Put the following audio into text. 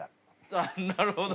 あっなるほど。